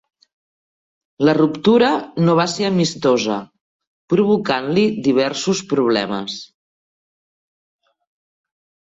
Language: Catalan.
La ruptura no va ser amistosa, provocant-li diversos problemes.